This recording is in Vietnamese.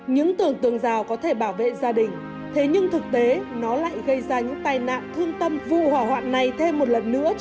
những tưởng tượng giàu có thể bảo vệ gia đình thế nhưng thực tế nó lại gây ra những tai nạn thương tâm vụ hỏa hoạn này thêm một lần nữa cho thấy